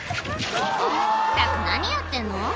たく、何やってんの。